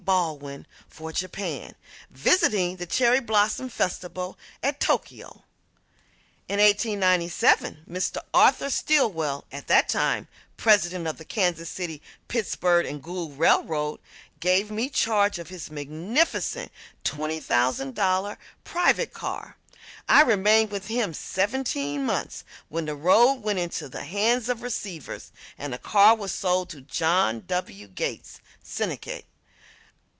Baldwin for Japan, visiting the Cherry Blossom Festival at Tokio. In 1897 Mr. Arthur Stillwell, at that time president of the Kansas City, Pittsburg & Gould Railroad, gave me charge of his magnificent $20,000 private car. I remained with him seventeen months when the road went into the hands of receivers, and the car was sold to John W. Gates syndicate.